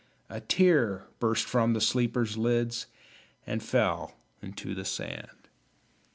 A tear burst from the sleeper's lids And fell into the sand.